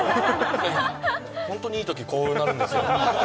ホントにいいときこうなるんですよ